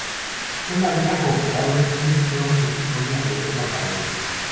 Una vez acomodados un esclavo se dispone a leerla para ellos.